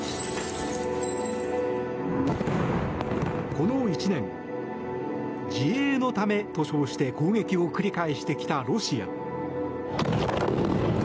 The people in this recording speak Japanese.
この１年、自衛のためと称して攻撃を繰り返してきたロシア。